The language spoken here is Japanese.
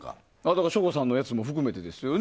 省吾さんのも含めてですよね。